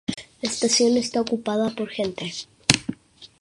La estación está ocupada por gente.